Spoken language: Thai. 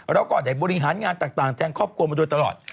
แล้วก็ได้บริหารงานต่างแทนครอบครัวมาโดยตลอด